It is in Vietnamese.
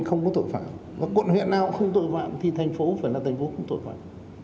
không có tội phạm và quận huyện nào cũng không tội phạm thì thành phố phải là thành phố không tội phạm